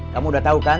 kamu sudah tahu kan